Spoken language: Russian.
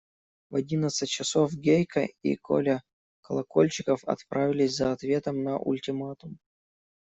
В одиннадцать часов Гейка и Коля Колокольчиков отправились за ответом на ультиматум.